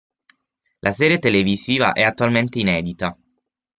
La serie televisiva è attualmente inedita.